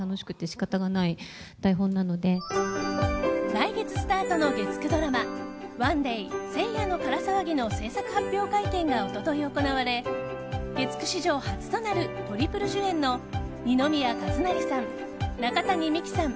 来月スタートの月９ドラマ「ＯＮＥＤＡＹ聖夜のから騒ぎ」の制作発表会見が一昨日行われ月９史上初となるトリプル主演の二宮和也さん、中谷美紀さん